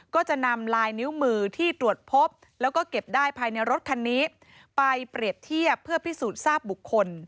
ก็จะนำลายนิ้วมือที่ตรวจพบแล้วก็เก็บได้ภายในรถคันนี้ไปเปรียบเทียบเพื่อพิสูจน์ทราบบุคคล